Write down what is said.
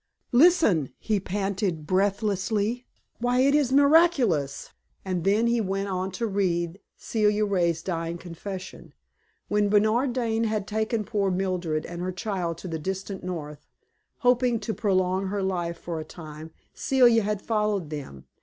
"Listen!" he panted, breathlessly. "Why, it is miraculous!" And then he went on to read Celia Ray's dying confession. When Bernard Dane had taken poor Mildred and her child to the distant North, hoping to prolong her life for a time, Celia had followed them.